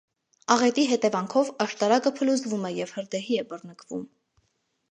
Աղետի հետևանքով, աշտարակը փլուզվում է և հրդեհի է բռնկվում։